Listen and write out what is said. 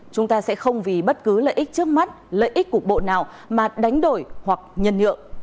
chúng ta sẽ không vì bất cứ lợi ích trước mắt lợi ích cục bộ nào mà đánh đổi hoặc nhân nhượng